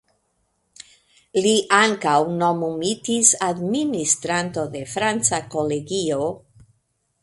Li ankaŭ nomumitis administranto de Franca Kolegio.